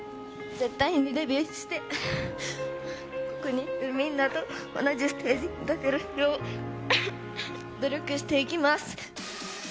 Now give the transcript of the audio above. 絶対にデビューして、ここにいるみんなと、同じステージに立てるよう、努力していきます。